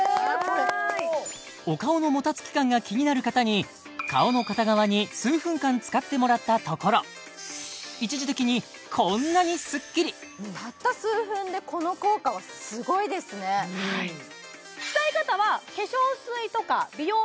お顔のもたつき感が気になる方に顔の片側に数分間使ってもらったところ一時的にこんなにスッキリたった数分でこの効果はすごいですねはいあっ！